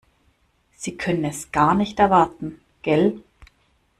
Sie können es gar nicht erwarten, gell?